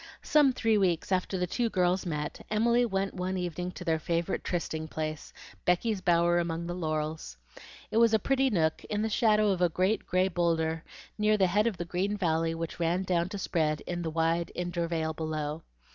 Some three weeks after the two girls met, Emily went one evening to their favorite trysting place, Becky's bower among the laurels. It was a pretty nook in the shadow of a great gray bowlder near the head of the green valley which ran down to spread into the wide intervale below.